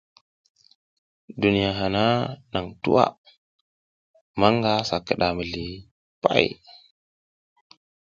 Duniya hana nang tuwa, manga sa kida mizli pay.